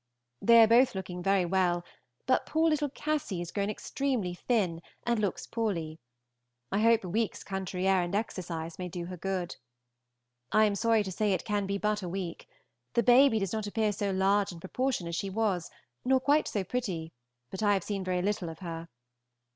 They are both looking very well, but poor little Cassy is grown extremely thin, and looks poorly. I hope a week's country air and exercise may do her good. I am sorry to say it can be but a week. The baby does not appear so large in proportion as she was, nor quite so pretty, but I have seen very little of her.